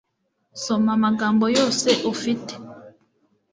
soma amagambo yose ufite